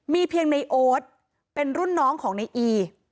มีเพียงนายโอ๊ดเป็นรุ่นน้องของนายอี